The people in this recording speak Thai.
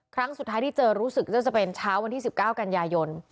ครั้งสุดท้ายที่เจอรู้สึกจะเป็นเช้าวันที่๑๙กันยายน